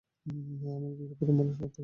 আমি ভীরু পুরুষমানুষ মাত্র, চুপ করে রইলুম।